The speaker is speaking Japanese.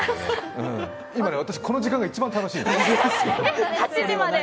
私、今ね、この時間が一番楽しい。